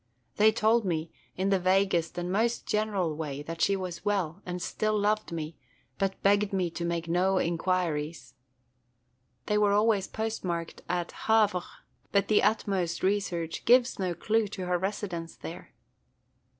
They told me, in the vaguest and most general way, that she was well, and still loved me, but begged me to make no inquiries. They were always postmarked at Havre; but the utmost research gives no clew to her residence there."